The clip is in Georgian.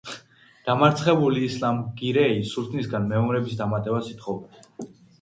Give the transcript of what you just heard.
დამარცხებული ისლამ გირეი სულთნისგან მეომრების დამატებას ითხოვდა.